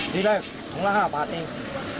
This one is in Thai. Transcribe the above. ทีแรกถุงละ๕บาทเอง